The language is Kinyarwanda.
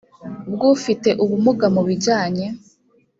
bw ufite ubumuga mu bijyanye